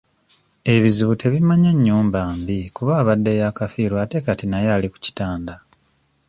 Ebizibu tebimanya nnyumba mbi kuba abadde yakafiirwa ate kati naye ali ku kitanda.